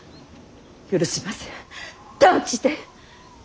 許せません断じて！